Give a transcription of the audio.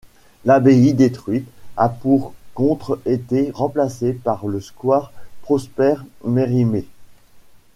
L'abbaye détruite a par contre été remplacée par le square Prosper-Mérimée.